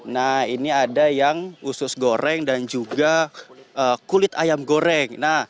nah ini ada yang usus goreng dan juga kulit ayam goreng